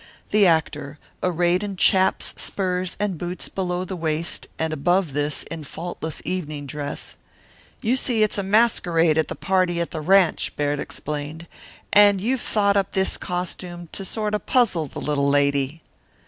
The actor, arrayed in chaps, spurs, and boots below the waist was, above this, in faultless evening dress. "You see, it's a masquerade party at the ranche," Baird explained, "and you've thought up this costume to sort of puzzle the little lady."